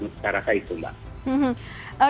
secara saya itu mbak